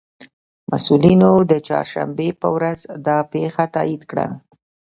مسئولینو د چهارشنبې په ورځ دا پېښه تائید کړه